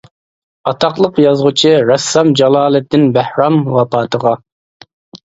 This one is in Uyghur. ئاتاقلىق يازغۇچى، رەسسام جالالىدىن بەھرام ۋاپاتىغا .